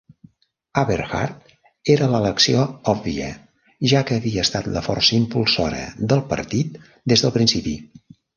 Aberhart era l'elecció òbvia, ja que havia estat la força impulsora del partit des del principi.